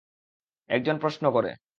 একজন প্রশ্ন করে।